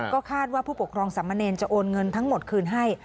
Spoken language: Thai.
ก็คาดว่าผู้ปกครองสามเณรจะโอนเงินทั้งหมดคืนให้